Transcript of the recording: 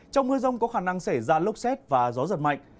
trong mưa rông có khả năng xảy ra lốc xét và gió giật mạnh